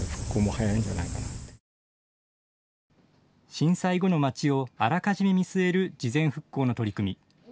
震災後の街をあらかじめ見据える事前復興の取り組み。